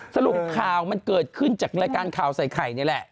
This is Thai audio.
สรุปข่าวมันเกิดขึ้นจากรายการข่าวใส่ไข่นี่แหละ